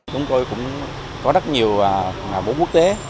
chúng tôi cũng có rất nhiều vụ quốc tế